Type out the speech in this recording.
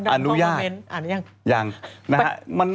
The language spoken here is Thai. อ่านรู้ยาก